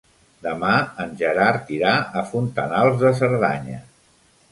Demà en Gerard irà a Fontanals de Cerdanya.